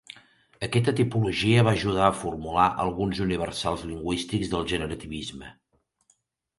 Aquesta tipologia va ajudar a formular alguns universals lingüístics del generativisme.